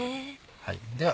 では